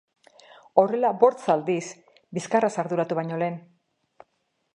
Horrela bortz aldiz, bizkarraz arduratu baino lehen.